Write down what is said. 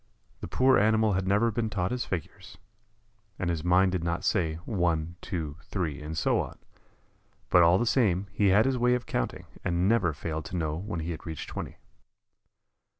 The poor animal had never been taught his figures, and his mind did not say "one, two, three," and so on, but all the same he had his way of counting, and never failed to know when he had reached twenty.